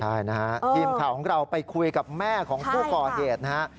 ใช่นะฮะทีมข่าวของเราไปคุยกับแม่ของผู้ก่อเหตุนะฮะ